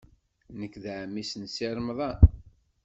Nekk d ɛemmi-s n Si Remḍan.